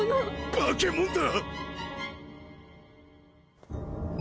化け物だ！